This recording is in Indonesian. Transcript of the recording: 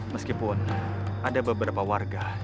meskipun ada beberapa warga